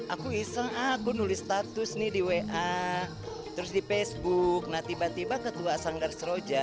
aku iseng aku nulis status nih di wa terus di facebook nah tiba tiba ketua sanggar seroja